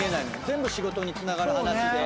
全部仕事につながる話で」